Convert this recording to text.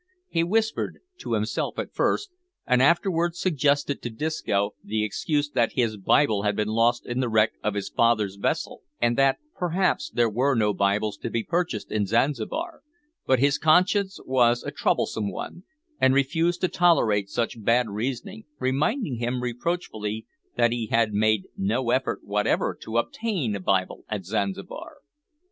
He whispered, to himself at first, and afterwards suggested to Disco, the excuse that his Bible had been lost in the wreck of his father's vessel, and that, perhaps, there were no Bibles to be purchased in Zanzibar, but his conscience was a troublesome one, and refused to tolerate such bad reasoning, reminding him, reproachfully, that he had made no effort whatever to obtain a Bible at Zanzibar.